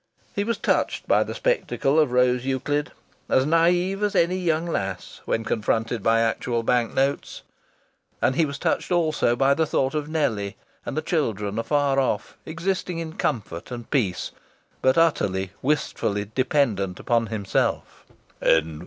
He was touched by the spectacle of Rose Euclid, as naïve as any young lass when confronted by actual bank notes; and he was touched also by the thought of Nellie and the children afar off, existing in comfort and peace, but utterly, wistfully, dependent on himself.